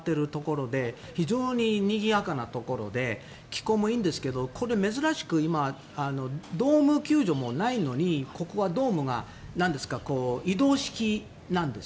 非常ににぎやかなところで気候もいいんですけど珍しくドーム球場もないのにここはドームが移動式なんです。